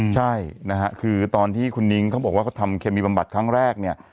ใช่นะฮะคือตอนที่คุณนิ้งเขาบอกว่าเขาทำเคมีบำบัดครั้งแรกเนี่ย